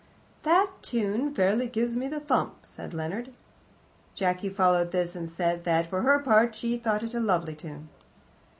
"That tune fairly gives me the hump," said Leonard. Jacky followed this, and said that, for her part, she thought it a lovely tune.